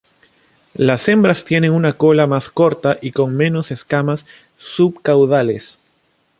Las hembras tienen una cola más corta y con menos escamas subcaudales.